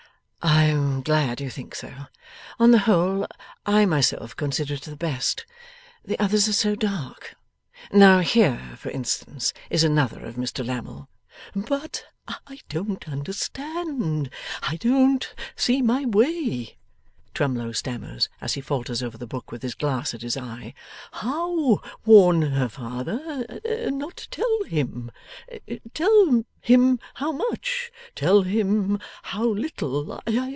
'I am glad you think so. On the whole, I myself consider it the best. The others are so dark. Now here, for instance, is another of Mr Lammle ' 'But I don't understand; I don't see my way,' Twemlow stammers, as he falters over the book with his glass at his eye. 'How warn her father, and not tell him? Tell him how much? Tell him how little?